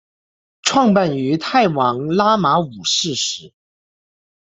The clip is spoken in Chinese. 创办于泰王拉玛五世时。